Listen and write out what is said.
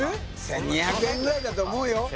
１２００円ぐらいだと思うよ